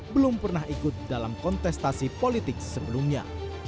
belum pernah ikut dalam kontestasi politik sebelumnya